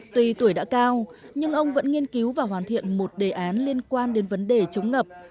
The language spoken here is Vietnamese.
tùy tuổi đã cao nhưng ông vẫn nghiên cứu và hoàn thiện một đề án liên quan đến vấn đề chống ngập